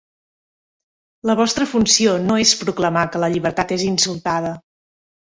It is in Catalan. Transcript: La vostra funció no és proclamar que la llibertat és insultada.